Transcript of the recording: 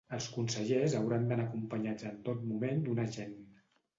Els consellers hauran d’anar acompanyats en tot moment d’un agent.